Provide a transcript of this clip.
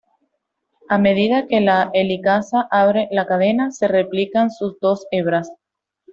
A medida que la helicasa abre la cadena, se replican sus dos hebras.